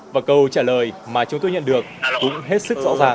và câu trả lời mà chúng tôi nhận được cũng hết sức rõ ràng